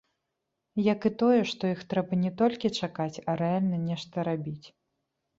Як і тое, што іх трэба не толькі чакаць, а рэальна нешта рабіць.